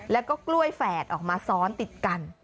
แล้วก็กล้วยแฝดออกมาซ้อนติดกัน